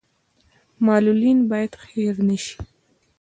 معلولین باید هیر نشي